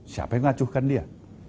siapa yang ngacuhkan dia